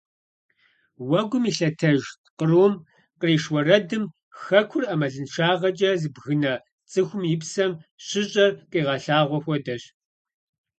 Уэгум илъэтэж кърум къриш уэрэдым хэкур ӀэмалыншагъэкӀэ зыбгынэ цӀыхум и псэм щыщӀэр къигъэлъагъуэ хуэдэщ.